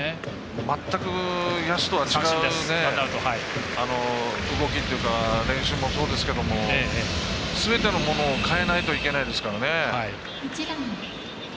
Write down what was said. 全く、野手とは違う練習もそうですけどすべてのものを変えないといけないですからね。